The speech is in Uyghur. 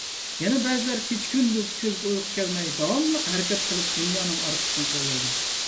يەنە بەزىلەر كېچە-كۈندۈز كۆزىگە ئۇيقۇ كەلمەي داۋاملىق ھەرىكەت قىلىپ دۇنيانىڭ ئارقىسىدىن قوغلايدۇ.